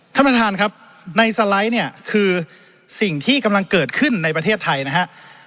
ท่านประธานครับในสไลด์เนี่ยคือสิ่งที่กำลังเกิดขึ้นในประเทศไทยนะฮะ